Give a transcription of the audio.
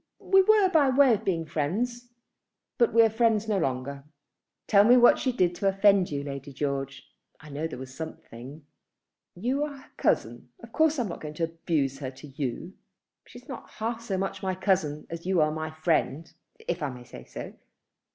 We were by way of being friends; but we are friends no longer." "Tell me what she did to offend you, Lady George? I know there was something." "You are her cousin. Of course I am not going to abuse her to you." "She's not half so much my cousin as you are my friend, if I may say so.